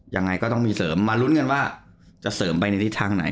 ยังไงก็ต้องมีเสริมมาลุ้นกันว่าจะเสริมไปในทิศทางไหน